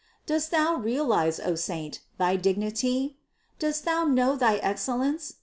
Dost thou realize, O Saint, thy dignity? Dost thou know thy ex cellence?